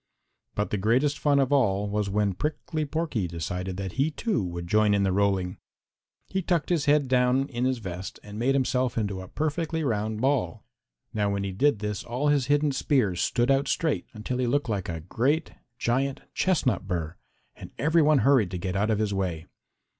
But the greatest fun of all was when Prickly Porky decided that he, too, would join in the rolling. He tucked his head down in his vest and made himself into a perfectly round ball. Now when he did this, all his hidden spears stood out straight, until he looked like a great, giant, chestnut burr, and every one hurried to get out of his way.